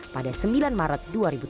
pada sembilan maret dua ribu tujuh belas